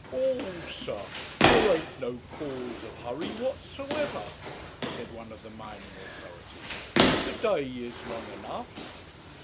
'Oh, sir, there a'n't no cause of hurry whatsomever,' said one of the mining authorities; 'the day is long enough.'